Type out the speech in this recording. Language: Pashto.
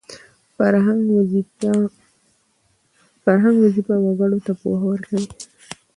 فرهنګ وظیفه وګړو ته پوهه ورکوي